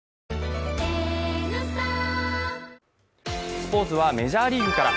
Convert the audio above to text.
スポーツはメジャーリーグから。